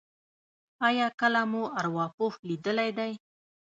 ایا کله مو ارواپوه لیدلی دی؟